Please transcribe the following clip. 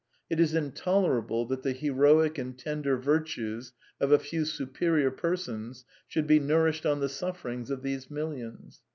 It is intolerable that : the heroic and tender virtues of a few superior persons should be nourished on the sufferings of these millions.